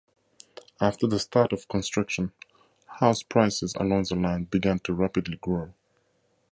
After the start of construction, house prices along the line began to rapidly grow.